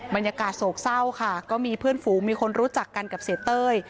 บรรยากาศโศกเศร้าค่ะก็มีเพื่อนฝูงมีคนรู้จักกันกับเสียเต้ย